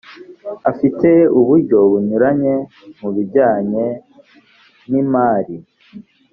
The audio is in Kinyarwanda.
afite uburyo bunyuranye mu bijyanye n’ imari.